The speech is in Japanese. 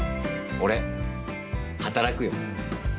俺、働くよ。